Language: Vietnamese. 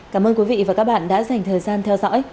cảm ơn quý vị và các bạn đã dành thời gian theo dõi